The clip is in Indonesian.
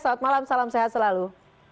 selamat malam salam sehat selalu